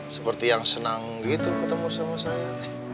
seperti yang senang gitu ketemu sama saya